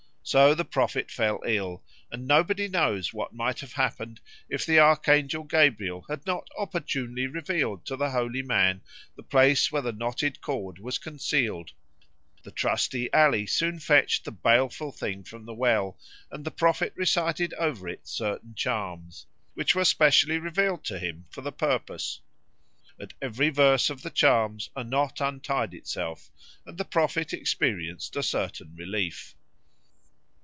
So the prophet fell ill, and nobody knows what might have happened if the archangel Gabriel had not opportunely revealed to the holy man the place where the knotted cord was concealed. The trusty Ali soon fetched the baleful thing from the well; and the prophet recited over it certain charms, which were specially revealed to him for the purpose. At every verse of the charms a knot untied itself, and the prophet experienced a certain relief.